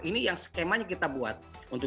ini yang skemanya kita buat untuk